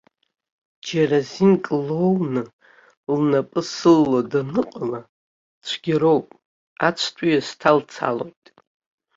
Џьара зинк лоуны, лнапы сылало даныҟала, цәгьароуп, ацәтәыҩа сҭалцалоит.